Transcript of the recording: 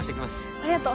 ありがとう。